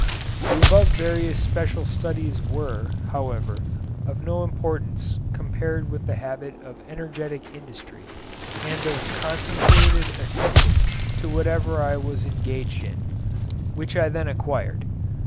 The above various special studies were, however, of no importance compared with the habit of energetic industry and of concentrated attention to whatever I was engaged in, which I then acquired.